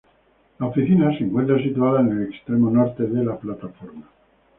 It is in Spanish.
La oficina se encuentra situada en el extremo norte de la plataforma.